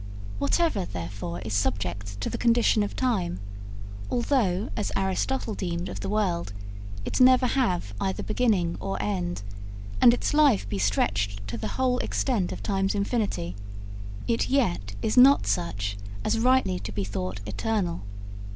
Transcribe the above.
Whatever, therefore, is subject to the condition of time, although, as Aristotle deemed of the world, it never have either beginning or end, and its life be stretched to the whole extent of time's infinity, it yet is not such as rightly to be thought eternal.